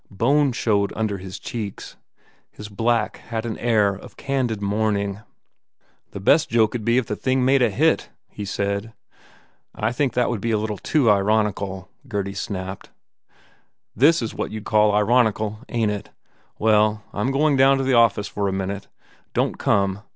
Bone showed under his cheeks. His black had an air of candid mourning. "The best joke d be if the damned thing made a hit," he said. "I think that would be a little too ironical," Gurdy snapped. "This is what you d call ironical, ain t it? Well, I m going down to the office for a minute. Don t come.